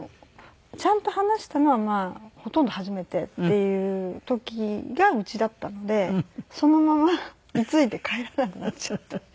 ちゃんと話したのはほとんど初めてっていう時が家だったのでそのまま居ついて帰らなくなっちゃった。